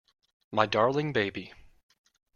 My darling baby.